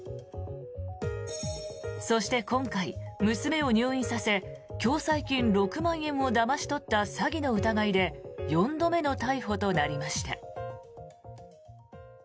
そして今回、娘を入院させ共済金６万円をだまし取った詐欺の疑いで４度目の逮捕となりました。